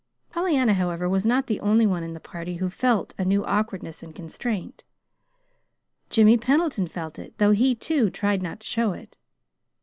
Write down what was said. Pollyanna, however, was not the only one in the party who felt a new awkwardness and constraint. Jimmy Pendleton felt it, though he, too, tried not to show it.